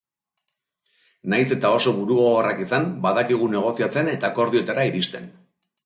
Nahiz eta oso burugogorrak izan, badakigu negoziatzen eta akordioetara iristen.